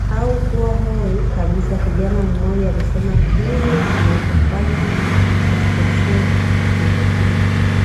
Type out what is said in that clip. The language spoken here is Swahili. au kuwa hoi kabisa Kijana mmoja alisema kile kinachofanya ecstasy ivutie